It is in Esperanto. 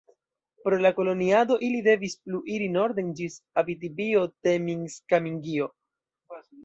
Pro la koloniado ili devis plu iri norden ĝis Abitibio-Temiskamingio.